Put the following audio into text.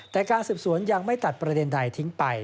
แต่การสืบสวนยังไม่ตัดประเด็นใดทิ้งไป